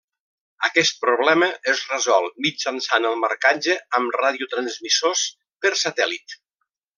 Aquest problema es resol mitjançant el marcatge amb radiotransmissors per satèl·lit.